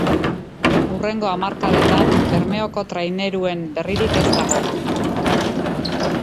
Hurrengo hamarkadetan Bermeoko traineruen berririk ez dago.